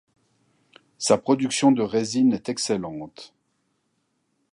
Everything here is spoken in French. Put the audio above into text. Sa production de résine est excellente.